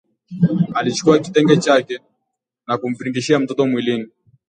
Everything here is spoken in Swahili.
Alichukua kitenge chake na kumvingirisha mtoto mwilini